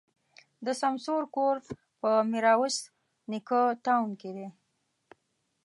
د سمسور کور په ميروایس نیکه تاون کي دی.